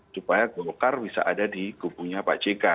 supaya golkar bisa ada di kubunya pak jk